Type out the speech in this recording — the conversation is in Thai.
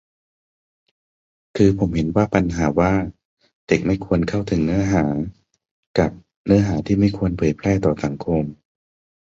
คือผมเห็นว่าปัญหาว่า "เด็กไม่ควรเข้าถึงเนื้อหา" กับ "เนื้อหานี้ไม่ควรเผยแพร่ต่อสังคม"